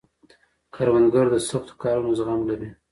کروندګر د سختو کارونو زغم لري